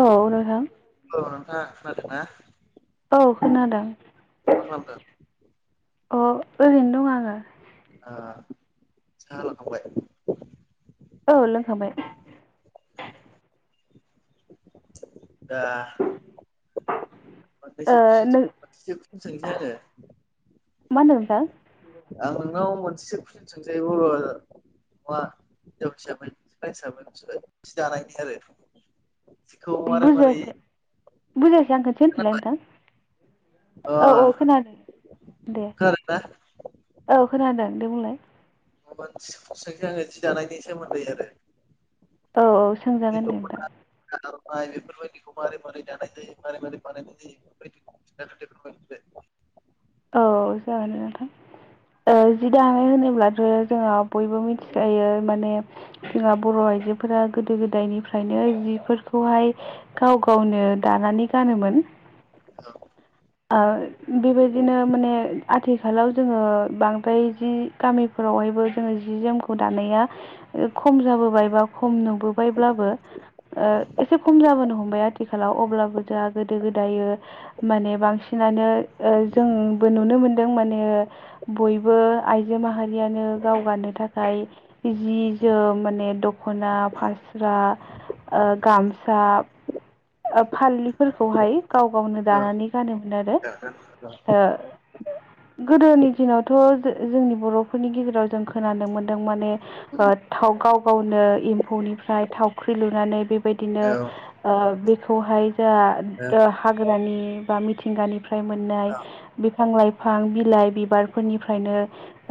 औ नोंथां औ नोंथाङा खोनादोंना औ खोनादों मा खालामदों अ ओरैनो दं आङो ओ साहा लोंखांबाय औ लोंखांबाय [inaudible] दा ओ मोननैसो नों खुइसन मोनैसो खुइसन सोंसै आरो मा होनदों नोंथां आं नोंनाव मोनसेसो कुइसन सोंजायो औ आरो हौवा हिनजाव हिसाबै सि दानायनि आरो सिखौ मारै मारै नोंथां खनसे होनफिनलाय खोनाबाय नोंथां अ औ औ खोनादों दे खोनादोंना औ खोनादों दे बुंलाय मोनसे कुइसन सोंसै आङो जि दानायनि सोमोन्दै आरो औ औ बे सोंजागोन दे नोंथां दख'ना आर'नाइ बेफोरबायदिखौ मारै मारै बानायो मारै मारै बानायनाय बेफोरबाय [inaudible] औ जागोन नोंथां जि दाङानाय होनोब्लाथ' जोङो बयबो मिथिखायो माने जोंहा बर' आइजोफोरा गोदो गोदायनिफ्रायनो जिफोरखौहाय गाव गावनो दानानै गानोमोन औ आ बेबायदिनो माने आथिखालाव जोङो बांद्राय जि गामिफोर आवहायबो जोङो जि जोमखौ दानाया खम जाबोबाय बा खम नुबोबायब्लाबो ओ एसे खम जाबोनो हमबाय आथिखालाव अब्लाबो जोंहा गोदो गोदाय माने बां सिनानो जोंबो नुनो मोनदों माने बयबो आइजो माहारियानो गाव गाननो थाखाय जि जोम माने दखना, फास्रा, ओ गामसा, फालिफोरखौहाय गाव गावनो दानानै गानो [inaudible] गोदोनि दिनावथ' जोंनि बर'फोरनि गेजेराव जों खोनानो मोनदों माने ओ थाव गाव गावनो इ म्फौनिफ्राय थावख्रि लुनानै बेबायदिनो औ ओ बेखौहाय जोंहा हाग्रानि बा मिथिंगानिफ्राय मोननाय बिफां लाइफां, बिलाइ, बिबारफोरनिफ्रायनो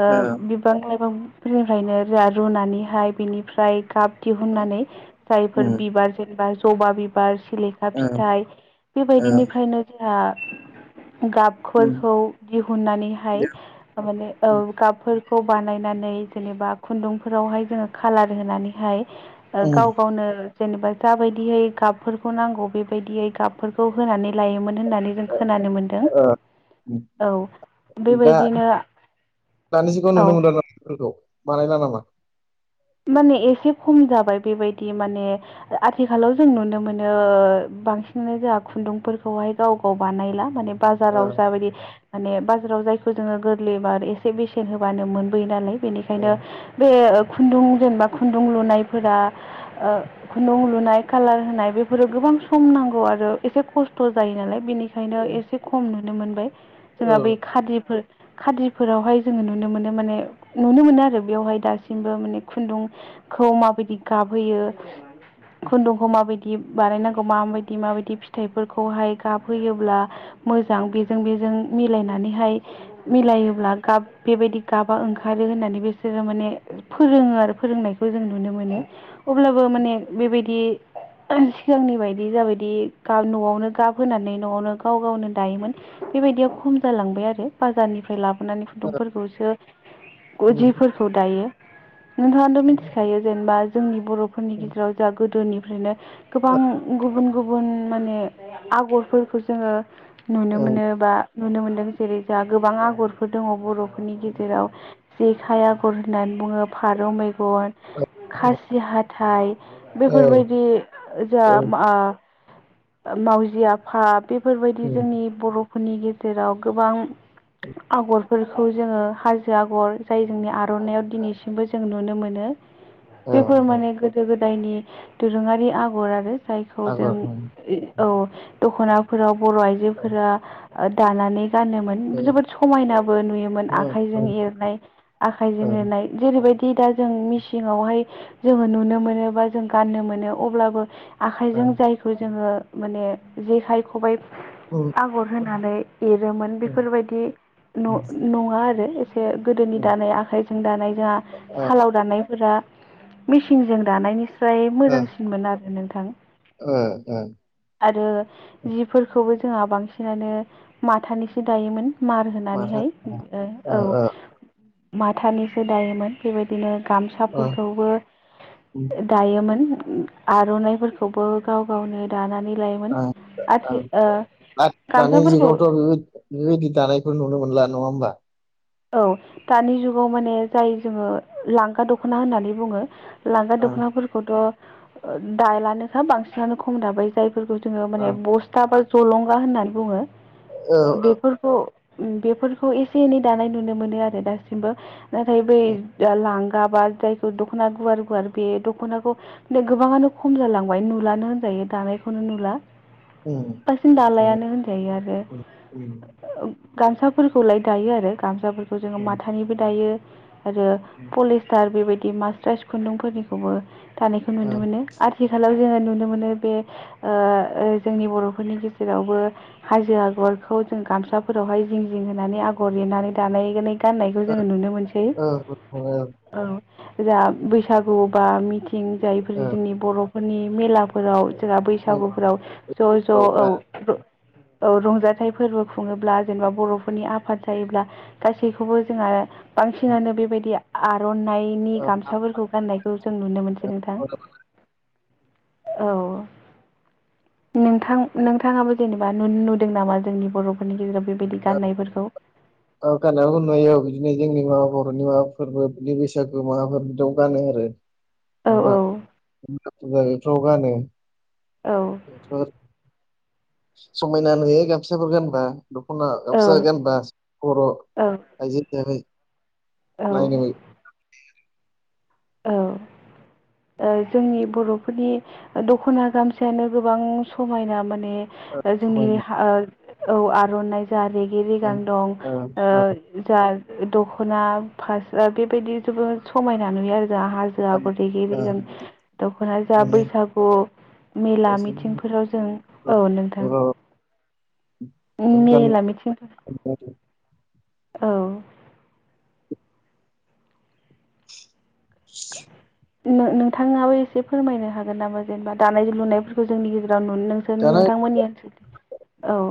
ओ औ औ बिबां लाइफांफोरनिफ्रायनो जोहा रुनानैहाय बिनिफ्राय गाब दिहुननानै जायफोर बिबार जेनेबा जबा बिबार, सिलेखा फिथाइ बेबायदिनिफ्रायनो जोंहा गाबफोरखौ दिहुननानैहाय दे, माने ओ गाबफोरखौ बानायनानै जेनेबा खुन्दुंफोरावहाय जोङो खाालार होनानैहाय औ ओ, गाव गावनो जेनेबा जाबायदियै गाबफोरखौ नांगौ बेबायदियै गाबफोरखौ होनानै लायोमोन होननानै जों खोनानो मोनदों औ दा बेबायदिनो दानि जुगाव औ नुनो मोनदों आरोना बेफोरखौ बानायला नामा माने एसे खम जाबाय बेबायदि माने आथिखालाव जों नुनो मोनो बांसिनानो जोंहा खुन्दुंफोरखौहाय गाव गाव बानायला माने ओ बाजाराव जाबायदि माने बाजाराव जायखौ जोङो गोरलै बा एसे बेसेन होबानो मोनबोयो नालाय ओ बेनिखायनो बे खुन्दुं जेनेबा खुन्दुं लुनायफोरा ओ लुनाय कालार होनाय बेफोरो गोबां सम नांगौ आरो एसे खस्थ' जायो नालाय बेनि खायनो ओ एसे खम नुनो मोनबाय। जोंहा बै खादिफोर खाद्रिफोरावहाय जोङो नुनो मोनो माने नुनो मोनो आरो बेवहाय दासिम माने खुन्दुंखौ माबायदि गाबहोयो । खुन्दुंखौ माबायदि बानायनांगौ माबायदि माबायदि फिथाइफोरखौहाय गाब होयोब्ला मोजां बेजों बेजों मिलायनानैहाय मिलायोब्ला गाब बेबायदि गाबा ओंखारो होननानै बिसोरो माने फोरोङो आरो फोरोंनायखौ जों नुनो मोनो ओ अब्लाबो माने बेबायदि सिगांनि बायदि जाबायदि न'आवनो गाब होनानै न'आवनो गाव गावनो दायोमोन बेबायदिया खम जालांबाय आरो बाजारनिफ्राय लाबोनानै खुन्दुंफोरखौसो ओ जिफोरखौ दायो। नोंथाङाथ' मिथिखायो जेनेबा जोंनि बर'फोरनि गेजेराव जोंहा गोदोनिफ्रायनो गोबां गुबुन गुबुन माने आगरफोरखौ जोङो नुनो ओ मोनो बा नुनो मोनदों जेरै जोंहा गोबां आगरफोर दङ बर'फोरनि गेजेराव जेखाय आगर होननानै बुङो, फारौ मे गन, खासि हाथाय औ बेफोरबायदि जोहा ओ आ मावजि आफा बेफोरबायदि उम जोंनि बर' फोरनि गेजेराव गोबां आगरफोरखौ जोङो हाजो आगर जाय जोंनि आ रनायाव दिनैसिमबो जों नुनो मोनो। औ बेफोर औ माने गोदो गो दायनि दोरोङारि आगर आरो जायखौ जों आगर उम औ दख'नाफोराव बर' औ आइजोफोरा दानानै गानोमोन। औ जोबोद समायनाबो नुयोमोन औ आखाइजों एरनाय आखाइजों औ एरनाय जैबायदि दा जों मिसिंआवहाय जोङो नुनो मोनो बा जों गाननो मोनो अब्लाबो आखाइजों जायखौ जोङो माने जेखाइ, खबाइ उम आगर होनानै एरोमोन उम बेफोरबायदि उम नङा आरो एसे गोदोनि उम दानाय आखाइजों दानाय आ ओ सालाव दानायफोरा मेसिनजों दानायनि ओमफ्राय ओ मोजांसिनमोन आरो नोंथां। ओ ओ आरो जिफोरखौबो जोंहा बांसिनानो माथानिसो दायोमोन। मार माथा होनानैहाय ओ ओ औ माथानिसो दायोमोन बेबायदिनो ओ गामसाफोरखौबो उम दायोमोन। आर'नाइफोरखौबो गाव गावनो दानानै लायोमोन ओ आथि ओ दानि गामसाफोरखौ जुगावथ' बेबाय बेबायदि दानायफोर नुनो मोनला नङा होमबा? औ दानि जुगाव माने जाय जोङो लांगा दख'ना होननानै बुङो लांगा ओं दख'नाफोरखौथ' दालानोखा बांसिनानो खम दाबाय जाय फोरफोरखौ जोङो माने बस्था बा जलंगा होननानै बुङो ओं औ बेफोरखौ ओम बेफोरखौ एसे एनै जानाय नुनो मोनो आरो दासिमबो नाथाय बै लांगा बा जायखौ दख'ना गुवार गुवार बे दख'नाखौ नो गोबाङानो खम जालांबाय नुलानो होनजायो दानायखौनो नुला उम बांसिन उम दालायानो होनजायो आरो उम उम गामसाफोरखौलाय दायो आरो गामसाफोरखौ जोङो उम माथानिबो दायो आरो उम पलिस्टार बेबायदि मास्राइस खुन्दुंफोरनिखौबो। दानायखौ ओ नुनो मोनो। आथिखालाव जोङो नुनो मोनो बे ओ जोंनि बर'फोरनि गेजेरावबो हाजो आगरखौ जों गामसाफोरावहाय जिं जिं होनानै आगर एरनानै दानाय गाननायखौ ओ जोङो नुनो मोनसै ओ ओ ओ औ। जा बैसागु बा मिथिं जायफोर जोंनि बर'फोरनि मेला फोराव जोंहा ओ बैसागुफोराव ज' ज' ओ औ औ रंजाथाइ फोरबो खुङोब्ला जेनेबा बर'फोरनि आफाद जायोब्ला गासैखौबो जोंहा बांसिनानो बेबायदि आर'न नायनि गामसाफोरखौ गाननायखौ जों नुनो मोनसै नोंथां। औ। नोंथां नोंथाङाबो जेनेबा नु-नुदों नामा जोंनि बर'फोरनि गेजेराव बेबायदि गाननायफोरखौ? ओ गाननायखौ नुयो औ बिदिनो जोंनि माबा बर'नि माबा फोरबो बिदि बैसागु माबाफोर बिदियाव गानो आरो। औ माबा [unintelligible] गानो। औ समायना नुयो गामसाफोर गानबा दख'ना गामसा गानबा बर' औ आयजोै हिसाबै औ [unintelligible] औ। ओ जोंनि बर'फोरनि दख'ना गामसायानो गोबां समायना मोन जोंनि जोंनि हा औ आर'नाइ जा रेगरिगां दं ओ जा दख'ना फास्रा बेबायदि जोबोर समायना नुयो आरो हाजो आगर रिगि रिगां दख'ना जा बैसागु मेला मिथिंफोराव जों औ नोंथां। औ मेला मिथिं गामियाव [unintelligible] औ। नोंथाङाबो एसे फोरमायनो हागोन नामा जेनेबा दानाय लुनायफोरखौ जोंनि गेजेराव लाव नोंसोर दाना नोंथांमोननि ओनसोलखै औ।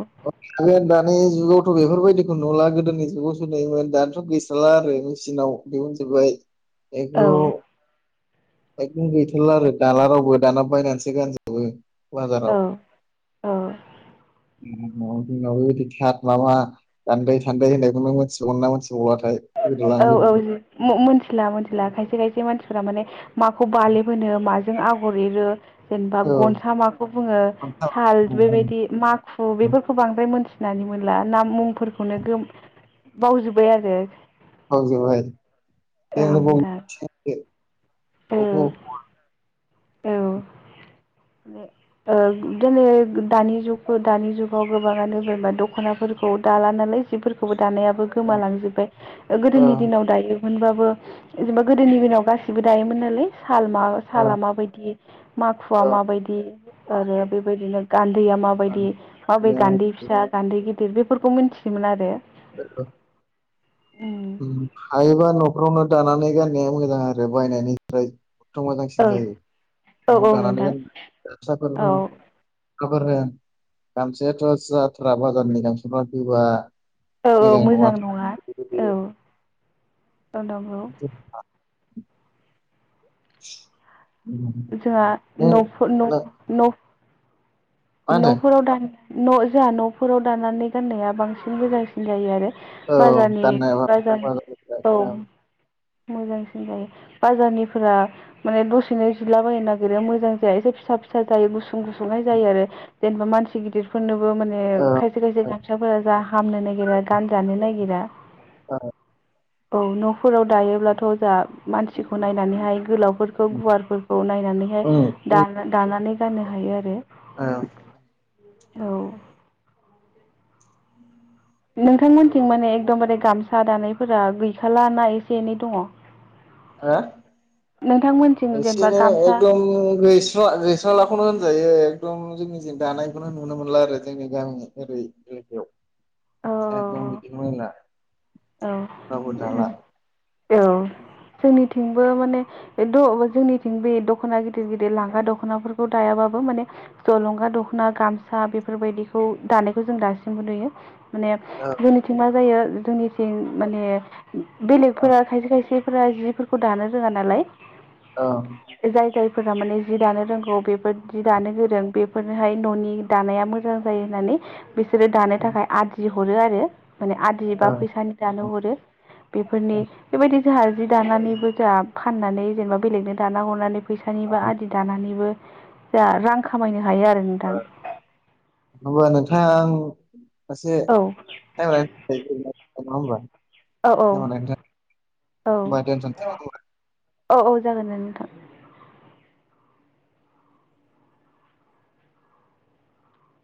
दानि जुगावथ' बेफोरबायदिखौ नुला गोदोनि जुगावसो नुयोमोन दाथ' गैस्राला आरो। मेसिनाव बदिहुन जोब्बाय औ एखौ औ एकदम गैथारला आरो दाला रावबो दाना बायनानैसो गानजोबो। औ बाजाराव औ। ओम नोंगौ जोंनावबो बेबायदि थाट लाला माबा दान्दै सान्दै होननायखौनो मिथिबावौनो ना मोनथिबालाथाय औ औ। जि -मो मो-मिथिला मिथिला खायसे खायसे मान फोरा माने माखौ बालेब होनो माजों इगर एरो मानसिफोरा माने माखौ बाललिबोनो माजों आगर एरो जेनेबा गनसा माखौ बुङो साल बेबायदि माखु औ बेफोरखौ बांद्राय मोनथि होननानै मोनला ना मुंफोरखौनो गोम बावजोब्बाय आरो। मावजोबबाय औ जोंनो नोंथां बुथिखौ [unintelligible] औ औ [unintelligible] ओ दिनै दानि जुग दानि जुगाव गोबाङानो बेबा दखनाफोरखौ दाला नालाय जिफोरखौबो दानायाबो गोमालांजोब्बाय गोदोनि दिनाव दायो मोनबाबो जेनेबा गोदोनि दिनाव गासिबो दायोमोन नालाय साल मा साला माबायदि माखुवा माबायदि आरो बेबायदिनो गान्दैया माबायदि माबै गान्दै न्दै फिसा गान्दै गिदिर बेफोरखौ मिन्थियोमोन आरो। [unintelligible] हायोबा नफ्रावनो दानानै गाननाया मोजां आरो बायनायनिफ्राय खथथ' मोजांसिन औ जायो औ नआव औ दानानै नोंथां गानबा गामसाफोरखौ औ साफोरा गामसायाथ जाथ्रारा बाजारनि गामसफ्रा गोबा औ औ मोजां नङा औ। ओं नोंगौ। [inaudible] जोंहा होनदों नफो न न न'फोराव दा न जोंहा नफोराव दानानै गाननाया बांसिन मोजांसिन जायो आरो। औ बाजारनि गाननाय औ बाजार औ मोजांसिन जायो बाजारनिफोरा माने दसेनो जिला बायनो नागिरो मोजां जाया एसे फिसा फिसा जायो गुसुं गुसुंनाय जायो आरो जेनेबा मानसि गिदिरफोरनो बो माने औ खायसे खायसे गामसाफोरा जा हामनो नागिरा गानजानो नागिरा औ औ नफोराव दायोब्लाथ जा मानसिखौ नायनानैहाय गोलाव फोरखौ गुवारफोरखौ नायनानैहाय दा दानानै गाननो हायो आरो। औ औ नोंथांमोनथिं माने एखदमबारे गामसा दानायफोरा गैखालाना एसे एनै दङ? हो नोंथांमोनथिं एसे जेनेबा गामसा एकदम गै गैस्रालाखौनो होनजायो एकदम जोंनि दानायखौनो नुनो मोनला आरो जोंनि गामि ओरै औ [unintelligible] एकदम बिदिखौ मोनला औ रावबो दाला औ जोंनिथि बो माने बे द जोंनिथिं बे दखना गिदिर गिदिर लांग्रा दखनाफोर दायाबाबो माने जलंगा दखना गामसा बेफोरबायदिखौ दानायखौ जों दासिमबो नुयो। माने औ जोंनिथिं मा जायो जोंनिथिं माने औ बेलेगफोरा खायसे खायसे फोर जिफोरखौ दानो रोङा नालाय औ जाय जाय फोर माने जि दानो रोंगौ बेफोर जि दानो गोरों बेफोरनोहाय ननि दानाया मोजां जायो होननानै बिसोरो दानो थाखाय आदि हरो आरो माने आदि औ बा फैसानि औ दानो हरो बेफोरनि बेबादि दि जोंहा जि दानानैबो जोंहा फाननानै जेनेबा बेलेगनो दाना हरनानै फैसानि औ बा आदि दानानैबो जा रां खामायनो हायो आरो ओ नोंथां होमबा नोंथां सासे औ टाइम [unintelligible] नङा होमबा? औ औ [unintelligible] औ होमबा दोनथनसै खोमा? औ औ जागोन जागोन नोंथां।